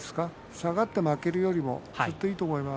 下がって負けるよりずっといいと思います。